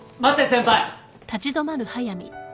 先輩。